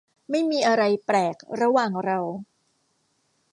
ไม่มีอะไรแปลกระหว่างเรา